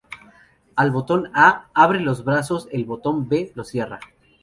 El botón "A" abre los brazos y el botón "B" los cierra.